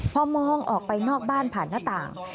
พอมองออกไปนอกบ้านผ่านหน้าต่าง